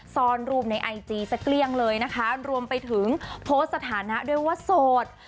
ซ่อนรูปในไอจีสักเกลี้ยงเลยนะคะรวมไปถึงโพสต์สถานะด้วยว่าโสด